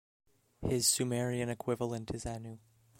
His Sumerian equivalent is Anu.